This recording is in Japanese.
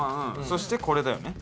そしてこれだよね。